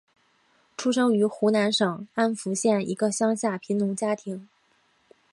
出生于湖南省安福县一个乡下贫农家庭。